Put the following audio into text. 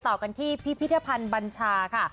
ต่อกันที่พิพิธภัณฑ์บัญชาค่ะ